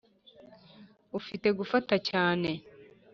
ufite gufata cyane,